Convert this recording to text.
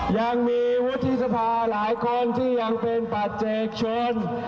ยังมีวุฒิสภาหลายคนที่ยังเป็นปัจเจกชน